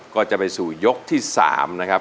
ก็จะไปสู่ยกที่๓นะครับ